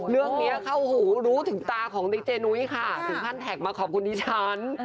เรื่องนี้เข้าหูรู้ถึงตาของดีเจนุ้ยค่ะถึงขั้นแท็กมาขอบคุณดิฉัน